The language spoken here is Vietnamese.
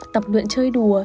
tập luyện chơi đùa